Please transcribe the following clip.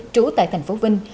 trú tại thành phố vinh